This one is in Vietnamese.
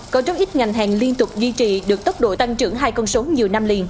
có rất ít ngành hàng liên tục duy trì được tốc độ tăng trưởng hai con số nhiều năm liền